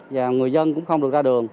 và người dân cũng không được ra đường